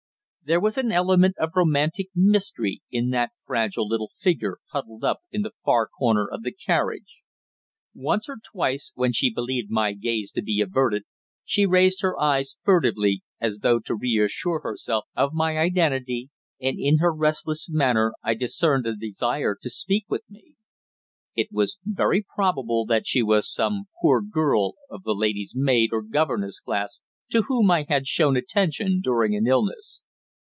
There was an element of romantic mystery in that fragile little figure huddled up in the far corner of the carriage. Once or twice, when she believed my gaze to be averted, she raised her eyes furtively as though to reassure herself of my identity, and in her restless manner I discerned a desire to speak with me. It was very probable that she was some poor girl of the lady's maid or governess class to whom I had shown attention during an illness.